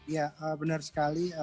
ya benar sekali